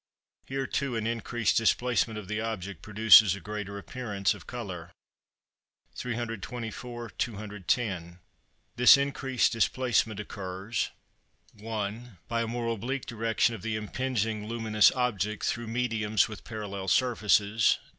Here too an increased displacement of the object produces a greater appearance of colour. 324 (210). This increased displacement occurs, 1. By a more oblique direction of the impinging luminous object through mediums with parallel surfaces.